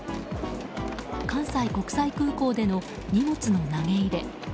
関西国際空港での荷物の投げ入れ。